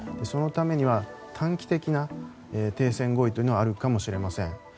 そのためには短期的な停戦合意というのはあるかもしれません。